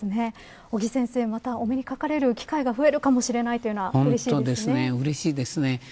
尾木先生、またお目にかかれる機会が増えるかもしれないうれしいですね。